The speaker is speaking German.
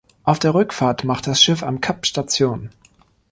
Auf der Rückfahrt macht das Schiff am Kap Station.